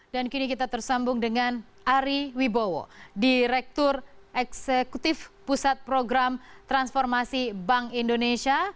dan kini kita tersambung dengan ari wibowo direktur eksekutif pusat program transformasi bank indonesia